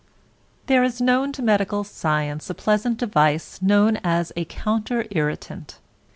There is known to medical science a pleasant device known as a counter irritant.